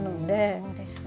そうですよね。